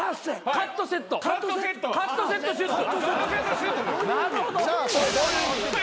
カットセットシュート。